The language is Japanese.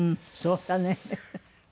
そうだね。